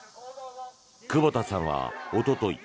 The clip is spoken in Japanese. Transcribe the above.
久保田さんはおととい